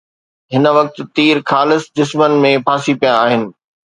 هن وقت تير خالص جسمن ۾ ڦاسي پيا آهن